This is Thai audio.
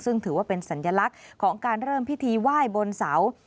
ซึ่งถือว่าเป็นสัญลักษณ์ของการเริ่มพิธีไหว้บนเสา